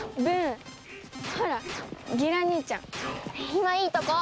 今いいとこ。